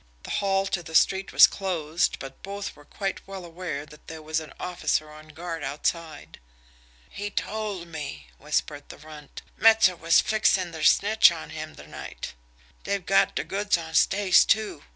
The hall door to the street was closed, but both were quite well aware that there was an officer on guard outside. "He told me," whispered the Runt. "Metzer was fixin' ter snitch on him ter night. Dey've got de goods on Stace, too.